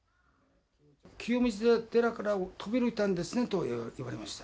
清水寺から飛び降りたんですねとは言われました。